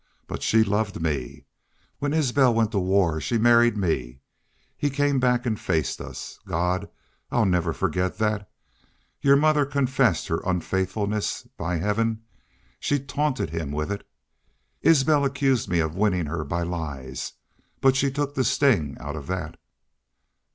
But she loved me. When Isbel went to war she married me. He came back an' faced us. God! I'll never forget that. Your mother confessed her unfaithfulness by Heaven! She taunted him with it. Isbel accused me of winnin' her by lies. But she took the sting out of that.